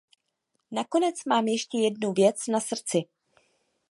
Nakonec mám ještě jednu věc na srdci.